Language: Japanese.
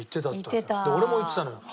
で俺も行ってたのよ。